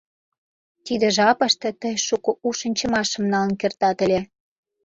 Тиде жапыште тый шуко у шинчымашым налын кертат ыле.